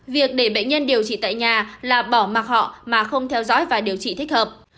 việc để bệnh nhân điều trị tại nhà là bỏ mặc họ mà không theo dõi và điều trị thích hợp